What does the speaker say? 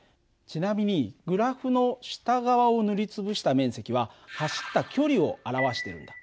ちなみにグラフの下側を塗り潰した面積は走った距離を表してるんだ。